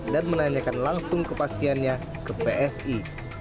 dan menanyakan langsung kepastiannya ke psi